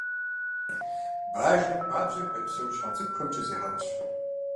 Бажэм пабжьэм хэс псэущхьэ цӀыкӀухэмкӀэ зегъэнщӀ.